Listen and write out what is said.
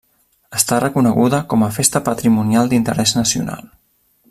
Està reconeguda com a festa patrimonial d'interès nacional.